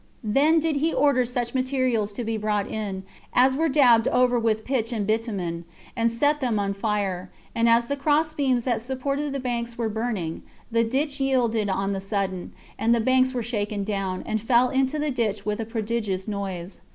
Then did he order such materials to be brought in as were daubed over with pitch and bitumen, and set them on fire; and as the cross beams that supported the banks were burning, the ditch yielded on the sudden, and the banks were shaken down, and fell into the ditch with a prodigious noise.